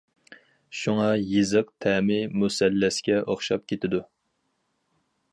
شۇڭا، يېزىق تەمى مۇسەللەسكە ئوخشاپ كېتىدۇ.